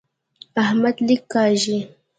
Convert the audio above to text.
احمد لیک کاږي.